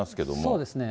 そうですね。